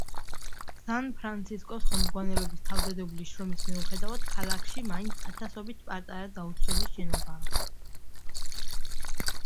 სან-ფრანცისკოს ხელმძღვანელობის თავდადებული შრომის მიუხედავად ქალაქში მაინც ათასობით პატარა დაუცველი შენობაა.